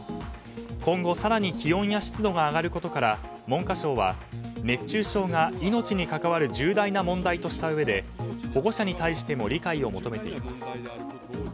今後、更に気温や湿度が上がることから文科省は熱中症が命に関わる重大な問題としたうえで保護者に対しても理解を求めています。